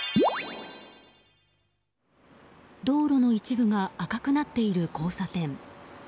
道路の一部が赤くなっている交差点。